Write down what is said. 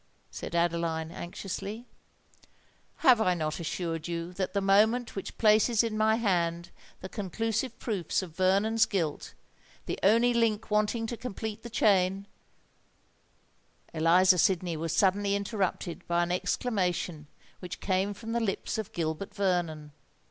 said Adeline, anxiously. "Have I not assured you that the moment which places in my hands the conclusive proofs of Vernon's guilt—the only link wanting to complete the chain——" Eliza Sydney was suddenly interrupted by an exclamation which came from the lips of Gilbert Vernon.